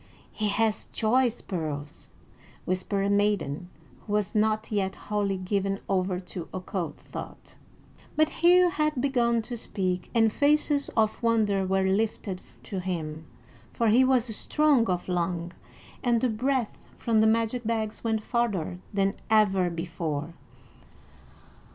"He hath choice pearls," whispered a maiden who was not yet wholly given over to occult thought. But Hugh had begun to speak, and faces of wonder were lifted to him, for he was strong of lung, and the breath from the magic bags went farther than ever before.